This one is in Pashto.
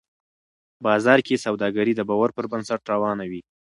بازار کې سوداګري د باور پر بنسټ روانه وي